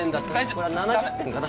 これは７０点かな。